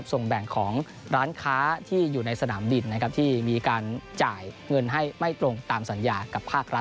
ส่งแบ่งของร้านค้าที่อยู่ในสนามบินนะครับที่มีการจ่ายเงินให้ไม่ตรงตามสัญญากับภาครัฐ